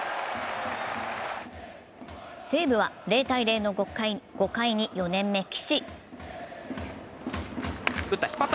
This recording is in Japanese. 西武は０−０の５回に４年目・岸